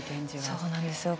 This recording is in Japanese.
そうなんですよ。